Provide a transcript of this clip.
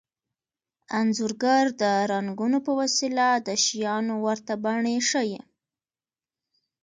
انځورګر د رنګونو په وسیله د شیانو ورته بڼې ښيي